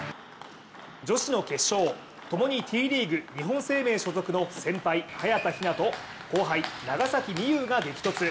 女子の決勝、ともにＴリーグ、日本生命所属の先輩・早田ひなと、後輩、長崎美柚が激突。